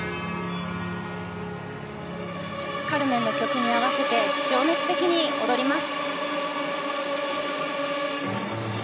「カルメン」の曲に合わせて情熱的に踊ります。